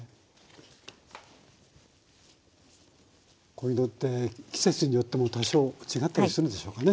こういうのって季節によっても多少違ったりするでしょうかね？